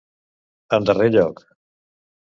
En darrer lloc.